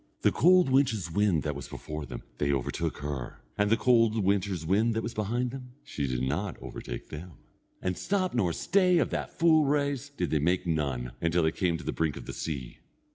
The cold winter's wind that was before them, they overtook her, and the cold winter's wind that was behind them, she did not overtake them. And stop nor stay of that full race, did they make none, until they came to the brink of the sea.